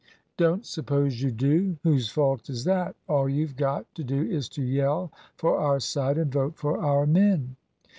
"Don't suppose you do. Whose fault is that? All you've got to do is to yell for our side and vote for our men."